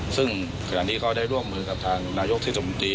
ซึ่งขณะนี้ก็ได้ร่วมมือกับทางนายกเทศมนตรี